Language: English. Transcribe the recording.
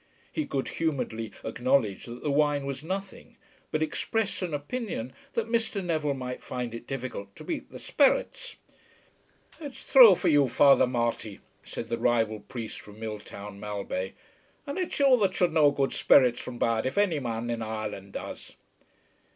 He good humouredly acknowledged that the wine was nothing, but expressed an opinion that Mr. Neville might find it difficult to beat the "sperrits." "It's thrue for you, Father Marty," said the rival priest from Milltown Malbay, "and it's you that should know good sperrits from bad if ony man in Ireland does."